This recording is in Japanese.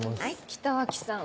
北脇さん